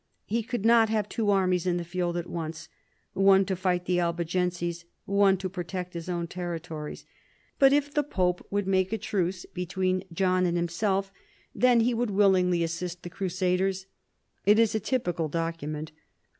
He could not have two armies in the field at once, one to fight the Albigenses, one to protect his own territories. But if the pope would make a truce between John and 196 PHILIP AUGUSTUS chap. himself, then he would willingly assist the crusaders. It is a typical document.